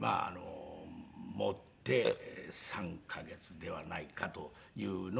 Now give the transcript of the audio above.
もって３カ月ではないかというのを。